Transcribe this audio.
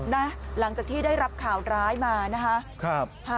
หลังจากที่ได้รับข่าวร้ายมานะคะ